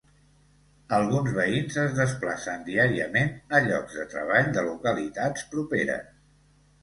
Alguns veïns es desplacen diàriament a llocs de treball de localitats properes.